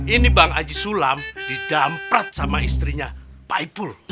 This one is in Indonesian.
ini bang aji sulam didampret sama istrinya pak ipul